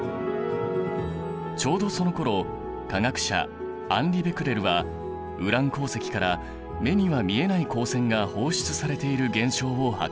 ちょうどそのころ科学者アンリ・ベクレルはウラン鉱石から目には見えない光線が放出されている現象を発見。